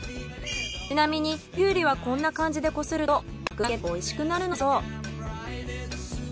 ちなみにきゅうりはこんな感じでこするとあくが抜けておいしくなるのだそう。